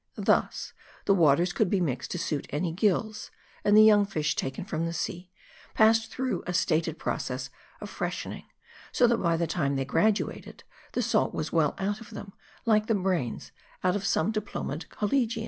Thus, the waters could be mixed to suit any gills ; and the young fish taken from the sea, passed through a stated process of freshening ; so that by the time they graduated, the salt was well out of them, like the brains out of some diplomaed collegians.